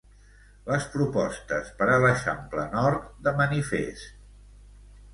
Les propostes per a l'Eixample Nord, de manifest.